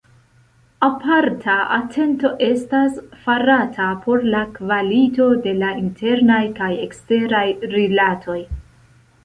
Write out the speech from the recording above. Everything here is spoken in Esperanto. Aparta atento estas farata por la kvalito de la internaj kaj eksteraj rilatoj.